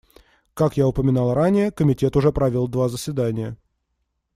Как я упоминал ранее, Комитет уже провел два заседания.